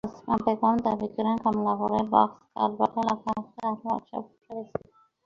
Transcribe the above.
আসমা বেগম দাবি করেন, কমলাপুরে বক্স কালভার্ট এলাকায় তাঁর ওয়ার্কশপ রয়েছে।